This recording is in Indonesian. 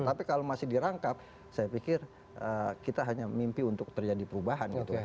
tapi kalau masih dirangkap saya pikir kita hanya mimpi untuk terjadi perubahan gitu